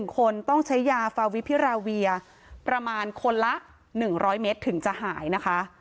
๑คนต้องใช้ยาฟาวิพิราเวียประมาณคนละ๑๐๐เมตรถึงจะหายนะคะ